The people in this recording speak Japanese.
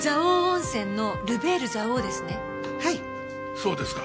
そうですか。